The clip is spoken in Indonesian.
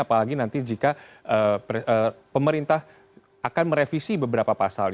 apalagi nanti jika pemerintah akan merevisi beberapa pasal